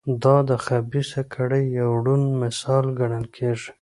دا د خبیثه کړۍ یو روڼ مثال ګڼل کېږي.